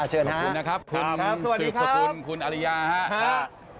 เชิญนะครับสวัสดีครับคุณอริยาครับสวัสดีครับ